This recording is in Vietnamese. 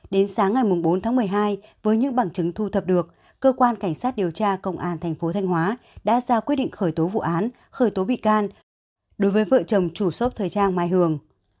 đến sáng ngày bốn tháng một mươi hai với những bằng chứng thu thập được cơ quan cảnh sát điều tra công an thành phố thanh hóa đã ra quyết định khởi tố vụ án khởi tố bị can đối với vợ chồng chủ trang mai hường